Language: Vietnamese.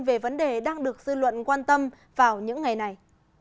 về vấn đề đang được dư luận quan tâm vào những ngày này